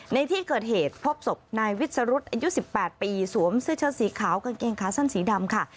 ในที่เกิดเหตุพบศพนายวิสรุธอายุ๑๘ปีสวมเสื้อเชิดสีขาวกางเกงขาสั้นสีดำค่ะ